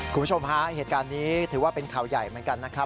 คุณผู้ชมฮะเหตุการณ์นี้ถือว่าเป็นข่าวใหญ่เหมือนกันนะครับ